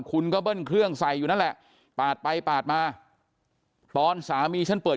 คุณก็เบิ้ลเครื่องใส่อยู่นั่นแหละปาดไปปาดมาตอนสามีฉันเปิด